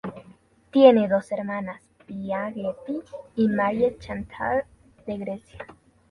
Tiene dos hermanas, Pia Getty y Marie-Chantal de Grecia.